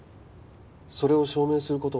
それを証明する事は？